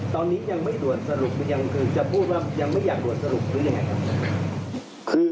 ตอนนี้ยังไม่ตรวจสรุปยังคือจะพูดว่ายังไม่อยากตรวจสรุปหรือยังไงครับ